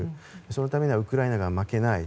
そのためにはウクライナが負けない。